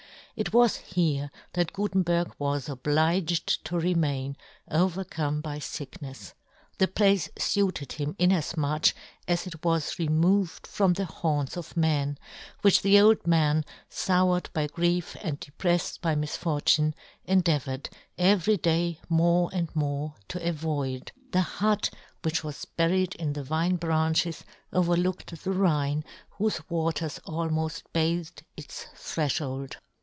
It was here that Gutenberg was obliged to remain, overcome by ficknefs. The place fuited him inafmuch as it was re moved from the haunts of men, which the old man, foured by grief and depreffed by misfortune, endea voured, every day more and more, to avoid ; the hut, which was buried yohn Gutenberg. 95 in the vine branches, overlooked the Rhine, whofe w^aters almoft bathed its threfhold.